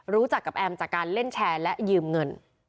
รู้จักกับแอมจากการเล่นแชร์และยืมเงิน